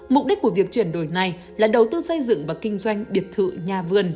mục đích của việc chuyển đổi này là đầu tư xây dựng và kinh doanh biệt thự nhà vườn